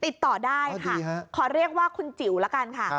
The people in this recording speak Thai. ติดต่อได้ค่ะขอเรียกว่าคุณจิ๋วละกันค่ะ